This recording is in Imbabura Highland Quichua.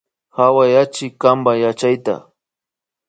Hawayachi kanpa yachayta